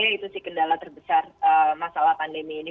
dan menurut saya itu sih kendala terbesar masalah pandemi ini